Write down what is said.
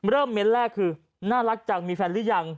เริ่มเมนต์แรกคือน่ารักจังมีแฟนรึยัง